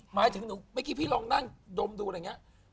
หมายถึงหนูเมื่อกี้พี่ลองนั่งดมดูอะไรอย่างนี้